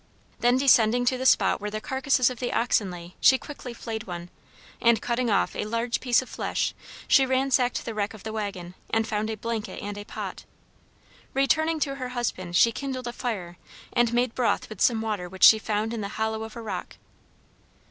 Then descending to the spot where the carcasses of the oxen lay she quickly flayed one, and cutting off a large piece of flesh she ransacked the wreck of the wagon and found a blanket and a pot. Returning to her husband she kindled a fire, and made broth with some water which she found in the hollow of a rock.